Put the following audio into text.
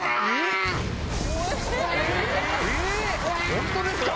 本当ですか？